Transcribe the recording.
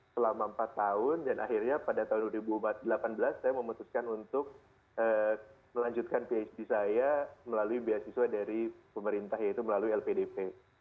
selama empat tahun dan akhirnya pada tahun dua ribu delapan belas saya memutuskan untuk melanjutkan phd saya melalui beasiswa dari pemerintah yaitu melalui lpdp